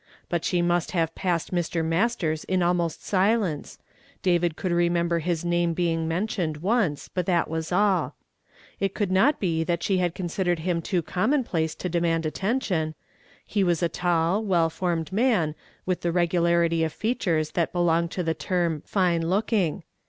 Rut she must have passed Mr. ]\Iastei s in almost silence ; David could remember his name be ing mentioned once, but that was all. It could not be that she had ccmsidered liiin too commonplace to demand attention. He was a tall, well formed man, with the regularity of features that belong to the term "fine looking."